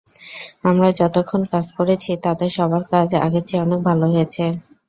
আমরা যতক্ষণ কাজ করেছি, তাতে সাবার কাজ আগের চেয়ে অনেক ভালো হয়েছে।